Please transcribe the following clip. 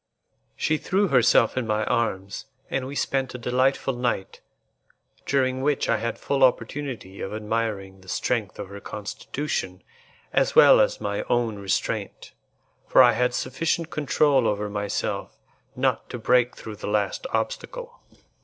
She threw herself in my arms, and we spent a delightful night, during which I had full opportunity of admiring the strength of her constitution as well as my own restraint, for I had sufficient control over myself not to break through the last obstacle.